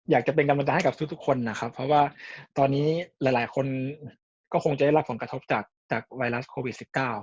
อยากจะเป็นกำลังใจให้กับทุกคนนะครับเพราะว่าตอนนี้หลายคนก็คงจะได้รับผลกระทบจากไวรัสโควิด๑๙